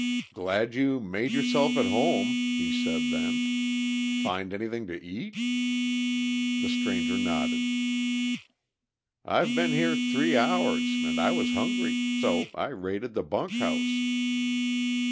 "Glad you made yourself at home," he said then, "Find anything to eat?" The stranger nodded. "I've been here three hours, and I was hungry. So I raided the bunk house."